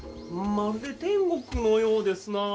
まるで天国のようですなあ。